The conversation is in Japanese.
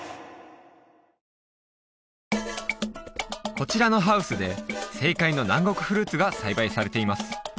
こちらのハウスで正解の南国フルーツが栽培されています